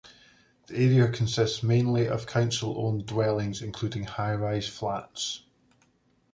The area consists mainly of council owned dwellings including high rise flats.